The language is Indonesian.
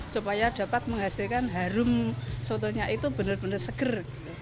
supaya dapat menghasilkan harum sotonya itu benar benar seger